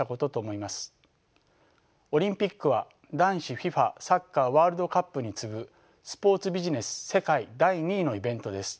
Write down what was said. オリンピックは男子ＦＩＦＡサッカーワールドカップに次ぐスポーツビジネス世界第２位のイベントです。